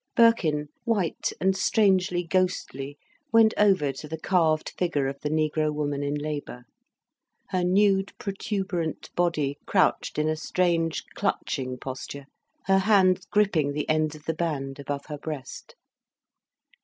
Birkin, white and strangely ghostly, went over to the carved figure of the negro woman in labour. Her nude, protuberant body crouched in a strange, clutching posture, her hands gripping the ends of the band, above her breast.